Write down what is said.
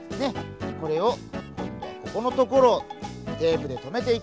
これをこんどはここのところをテープでとめていきます。